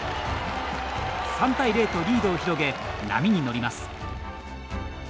３対０とリードを広げ波に乗ります。